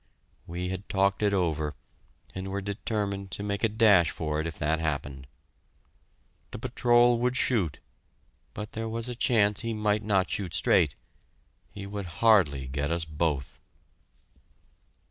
We had talked it over, and were determined to make a dash for it if that happened. The patrol would shoot, but there was a chance he might not shoot straight; he would hardly get us both!